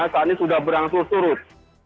saat ini sudah berangsur surut